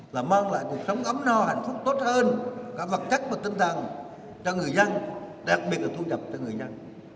là mang lại cuộc sống ấm no hạnh phúc tốt hơn cả vật chất và tinh thần cho người dân đặc biệt là thu nhập cho người dân